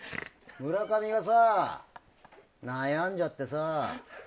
村上はさあ、悩んじゃってさ。